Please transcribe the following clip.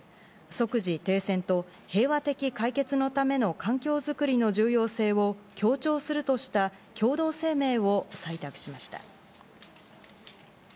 即時停戦と平和的解決のための環境作りの重要性を強調するとした共同声明を採択しました。